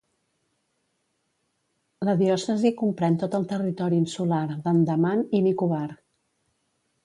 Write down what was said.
La diòcesi comprèn tot el territori insular d'Andaman i Nicobar.